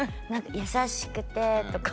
「優しくて」とか。